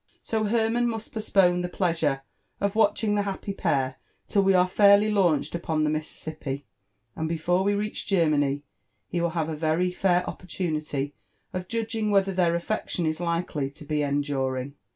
So Hermann must postpone the pleasure of watching the happy pair till we are fairly launched upon the Mississippi ; and before we reach Germany, ho will have a very fair opportunity of judging whether their afiectioii ii likel y to be enduring.